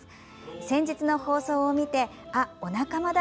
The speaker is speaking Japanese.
先日の放送を見てあ、お仲間だ！